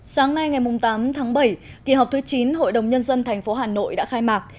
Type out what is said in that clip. sáng nay ngày tám tháng bảy kỳ họp thứ chín hội đồng nhân dân thành phố hà nội đã khai mạc